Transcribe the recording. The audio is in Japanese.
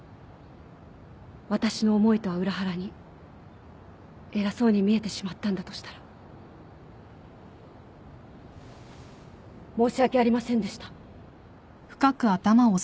私の思いとは裏腹に偉そうに見えてしまったんだとしたら申し訳ありませんでした。